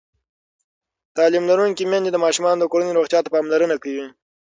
تعلیم لرونکې میندې د ماشومانو د کورنۍ روغتیا ته پاملرنه کوي.